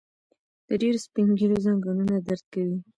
د ډيرو سپين ږيرو ځنګنونه درد کوي.